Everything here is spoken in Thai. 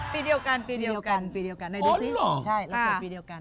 ปีเดียวกันปีเดียวกันปีเดียวกัน